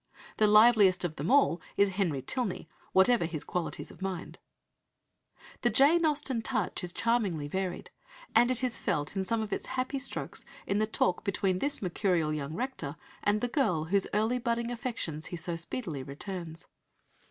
The liveliest of them all is Henry Tilney, whatever his qualities of mind. The Jane Austen touch is charmingly varied, and it is felt in some of its happy strokes in the talk between this mercurial young rector and the girl whose early budding affections he so speedily returns.